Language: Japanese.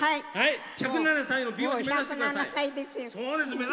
１０７歳を目指してください。